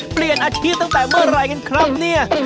เปลี่ยนอาชีพตั้งแต่เมื่อไหร่กันครับเนี่ย